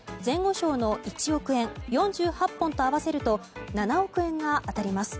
賞の１億円４８本と合わせると７億円が当たります。